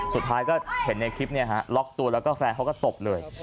สุดท้ายเห็นในคลิปนี้ล็อกตัวแล้วแฟนเขาก็ตกเลย